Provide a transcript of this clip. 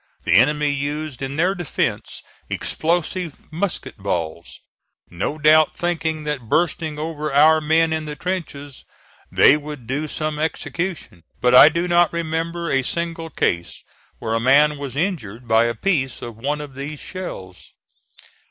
The enemy used in their defence explosive musket balls, no doubt thinking that, bursting over our men in the trenches, they would do some execution; but I do not remember a single case where a man was injured by a piece of one of these shells.